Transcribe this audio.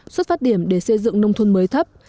xuất phát điểm để xây dựng nông thôn mới thấp